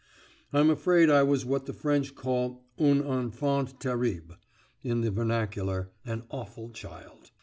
I'm afraid I was what the French call un enfant terrible in the vernacular, an awful child!